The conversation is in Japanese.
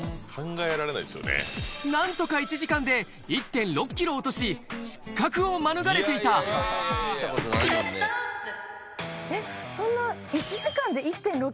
何とか１時間で１．６キロ落とし失格を免れていたえっそんな。